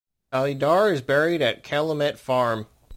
Alydar is buried at Calumet Farm.